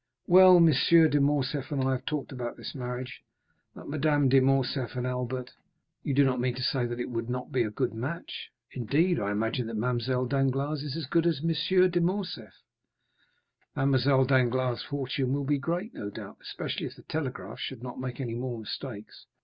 "Well, M. de Morcerf and I have talked about this marriage, but Madame de Morcerf and Albert——" "You do not mean to say that it would not be a good match?" "Indeed, I imagine that Mademoiselle Danglars is as good as M. de Morcerf." "Mademoiselle Danglars' fortune will be great, no doubt, especially if the telegraph should not make any more mistakes."